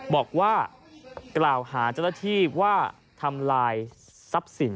บอกว่ากล่าวหาเจ้าหน้าที่ว่าทำลายทรัพย์สิน